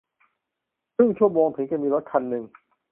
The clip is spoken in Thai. ครึ่งชั่วโมงถึงจะมีรถคันนึง